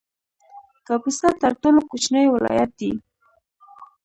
کاپیسا تر ټولو کوچنی ولایت دی